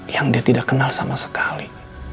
yang dia tidak kenal sama sekali